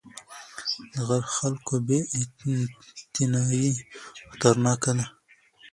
د خلکو بې اعتنايي خطرناکه ده